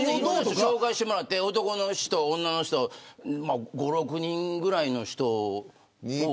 紹介してもらって男の人、女の人５、６人ぐらいの人を。